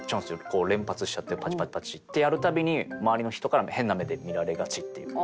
こう連発しちゃってパチパチパチってやるたびに周りの人からも変な目で見られがちっていう。